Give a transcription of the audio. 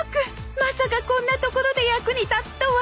まさかこんなところで役に立つとは